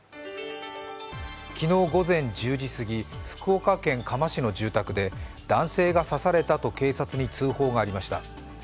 昨日午前１０時過ぎ、福岡県嘉麻市の住宅で男性が刺されたと警察に通報がありました。